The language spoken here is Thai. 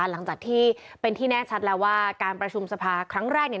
หลังจากที่เป็นที่แน่ชัดแล้วว่าการประชุมสภาครั้งแรกเนี่ย